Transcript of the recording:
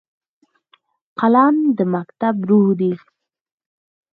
قلم د مکتب روح دی